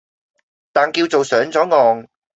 但叫做上咗岸